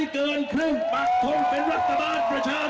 คิดหอดกัน